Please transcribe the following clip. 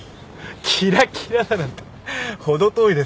キラキラだなんて程遠いです。